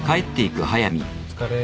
お疲れ。